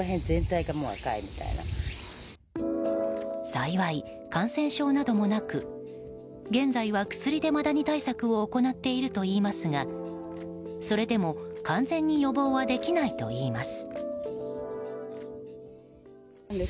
幸い、感染症などもなく現在は薬でマダニ対策を行っているといいますがそれでも完全に予防はできないといいます。